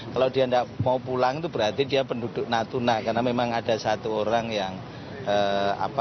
kalau dia tidak mau pulang itu berarti dia penduduk natuna karena memang ada satu orang yang apa